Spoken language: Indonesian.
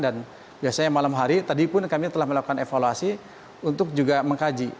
dan biasanya malam hari tadi pun kami telah melakukan evaluasi untuk juga mengkaji